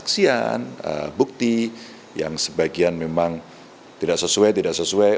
kesaksian bukti yang sebagian memang tidak sesuai tidak sesuai